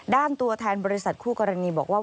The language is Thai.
ตัวแทนบริษัทคู่กรณีบอกว่า